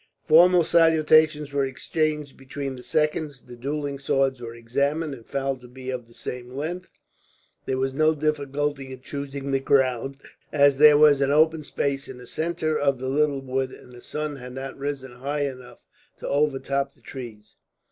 Formal salutations were exchanged between the seconds. The duelling swords were examined, and found to be of the same length. There was no difficulty in choosing the ground, as there was an open space in the centre of the little wood, and the sun had not risen high enough to overtop the trees.